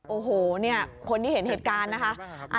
โอ้โหเนี่ยคนที่เห็นเหตุการณ์นะคะ